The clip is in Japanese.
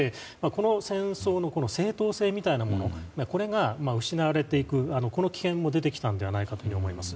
この戦争の正当性みたいなものがこれが失われていく危険も出てきたのではないかと思います。